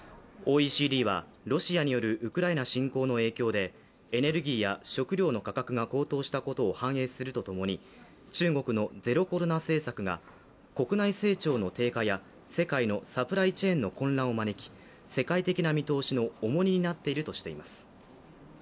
ＯＥＣＤはロシアによるウクライナ侵攻の影響でエネルギーや食料の価格が高騰したことを反映するとともに中国のゼロコロナ政策が国内成長の低下や世界のサプライチェーンの混乱を招き、世界的な見通しの重荷になっているとしています。